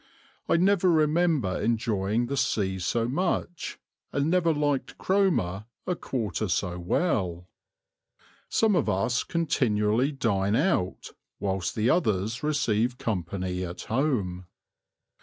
I never remember enjoying the sea so much, and never liked Cromer a quarter so well. Some of us continually dine out, whilst the others receive company at home....